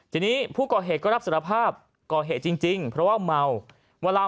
ทีนี้ผู้ก่อเหตุก็รับสารภาพก่อเหตุจริงเพราะว่าเมาเวลา